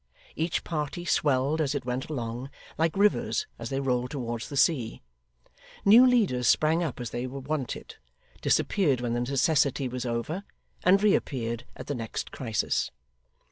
Each party swelled as it went along, like rivers as they roll towards the sea; new leaders sprang up as they were wanted, disappeared when the necessity was over, and reappeared at the next crisis.